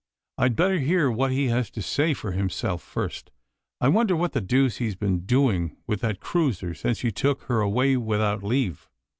I'd better hear what he has to say for himself first. I wonder what the deuce he's been doing with that cruiser since he took her away without leave?